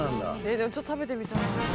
ちょっと食べてみたい。